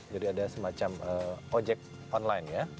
jadi ada semacam ojek online ya